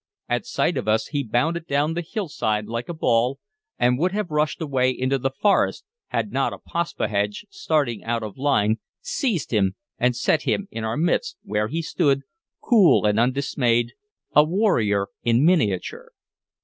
At sight of us he bounded down the hillside like a ball, and would have rushed away into the forest had not a Paspahegh starting out of line seized him and set him in our midst, where he stood, cool and undismayed, a warrior in miniature.